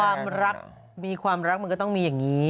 ความรักมีความรักมันก็ต้องมีอย่างนี้